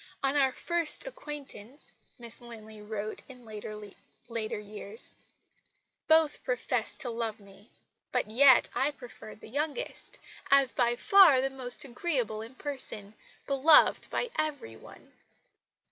"On our first acquaintance," Miss Linley wrote in later years, "both professed to love me but yet I preferred the youngest, as by far the most agreeable in person, beloved by every one."